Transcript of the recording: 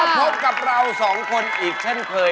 พบกับเราสองคนอีกเช่นเคย